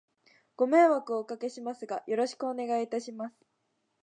ご迷惑をお掛けしますが、よろしくお願いいたします。